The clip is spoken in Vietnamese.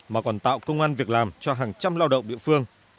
mà còn tạo công an việc làm cho hàng trăm lao động địa phương